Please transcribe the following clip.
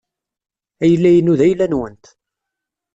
Ayla-inu d ayla-nwent.